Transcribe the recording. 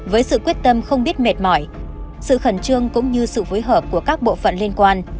với sự quyết tâm không biết mệt mỏi sự khẩn trương cũng như sự phối hợp của các bộ phận liên quan